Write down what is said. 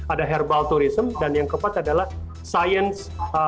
ada herbal tourism dan yang keempat adalah science